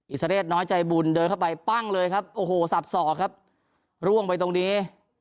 สเรศน้อยใจบุญเดินเข้าไปปั้งเลยครับโอ้โหสับสอกครับร่วงไปตรงนี้